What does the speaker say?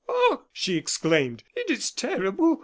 "Ah!" she exclaimed, "it is terrible!